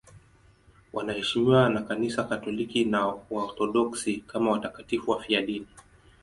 Wanaheshimiwa na Kanisa Katoliki na Waorthodoksi kama watakatifu wafiadini.